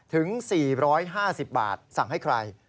ถึง๔๕๐บาทสั่งให้ใคร